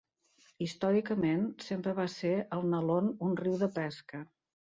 Històricament sempre va ser el Nalón un riu de pesca.